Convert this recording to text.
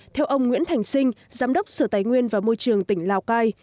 theo ông nguyễn thành sinh giám đốc sở tài nguyên và môi trường tỉnh lào cai